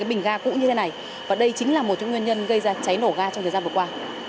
bình ga cũ như thế này và đây chính là một trong nguyên nhân gây ra cháy nổ ga trong thời gian vừa qua